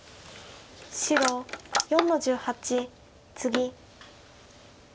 白４の十八ツギ。